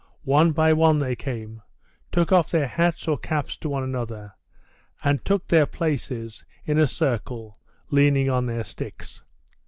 One by one they came, took off their hats or caps to one another, and took their places in a circle, leaning on their sticks.